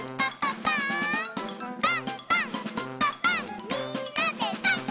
「パンパンんパパンみんなでパン！」